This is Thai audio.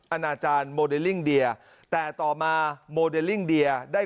อาจารย์โมเดลลิ่งเดียแต่ต่อมาโมเดลลิ่งเดียได้